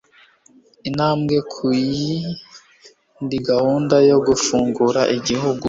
intambwe ku yindigahunda yo gufungura igihugu